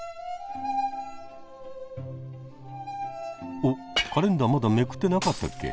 おっカレンダーまだめくってなかったっけ？